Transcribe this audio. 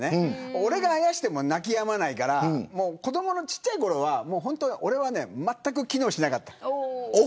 俺があやしても泣きやまないからちっちゃいころは俺はまったく機能しなかった。